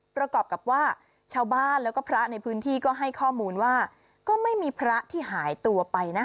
ประกอบกับว่าชาวบ้านแล้วก็พระในพื้นที่ก็ให้ข้อมูลว่าก็ไม่มีพระที่หายตัวไปนะ